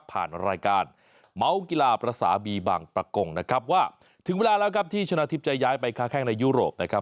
ผ่านรายการเมาส์กีฬาภาษาบีบางประกงนะครับว่าถึงเวลาแล้วครับที่ชนะทิพย์จะย้ายไปค้าแข้งในยุโรปนะครับ